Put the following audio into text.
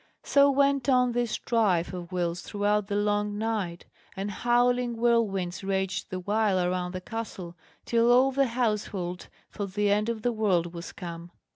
So went on this strife of wills throughout the long night; and howling whirlwinds raged the while around the castle, till all the household thought the end of the world was come.